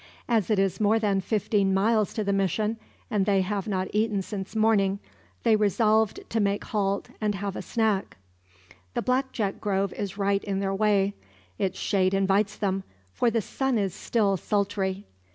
As it is more than fifteen miles to the mission, and they have not eaten since morning, they resolve to make halt, and have a sneck. The black jack grove is right in their way, its shade invites them, for the sun is still sultry.